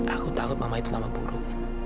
aku tangkap mama itu nama buruk